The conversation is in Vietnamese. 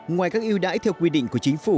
ngoài các yêu đãi theo quy định của chính phủ